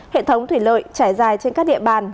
hệ thống thủy lợi trải dài trên các địa bàn